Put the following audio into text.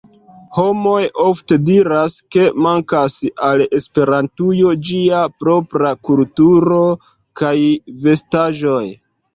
Homoj ofte diras, ke mankas al Esperantujo ĝia propra kulturo kaj vestaĵoj